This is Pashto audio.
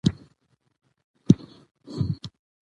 کريم ستونى را ډک شو.